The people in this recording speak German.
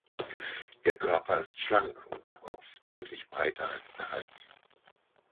Ihr Körper ist schlank und der Kopf deutlich breiter als der Hals.